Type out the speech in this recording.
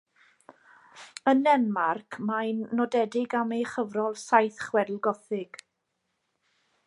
Yn Denmarc mae'n nodedig am ei chyfrol Saith Chwedl Gothig.